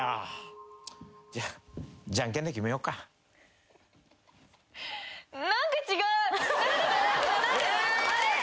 じゃあ。え！